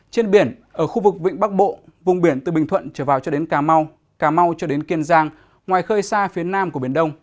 trên biển ở khu vực vịnh bắc bộ vùng biển từ bình thuận trở vào cho đến cà mau cà mau cho đến kiên giang ngoài khơi xa phía nam của biển đông